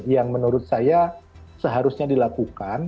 yang menurut saya seharusnya dilakukan